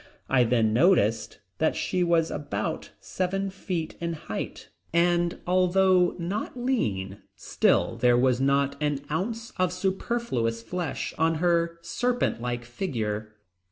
I then noticed that she was about seven feet in height and although not lean still there was not an ounce of superfluous flesh on her serpent like figure.